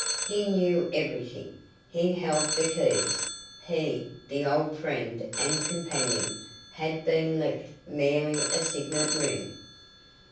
He knew everything; he held the keys he, the old friend and companion, had been left merely a signet ring.